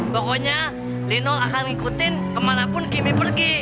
pokoknya lino akan ngikutin kemanapun kimi pergi